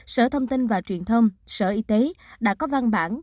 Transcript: sở thông tin và truyền thông sở y tế đã có văn bản